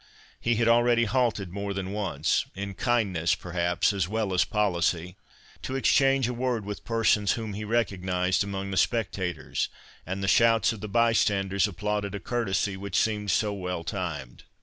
He had already halted more than once, in kindness perhaps as well as policy, to exchange a word with persons whom he recognized among the spectators, and the shouts of the bystanders applauded a courtesy which seemed so well timed.